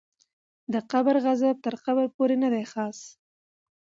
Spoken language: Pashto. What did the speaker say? د قبر غذاب تر قبر پورې ندی خاص